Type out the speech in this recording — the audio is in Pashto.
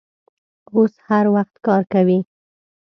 اوس هر سخت کار کوي.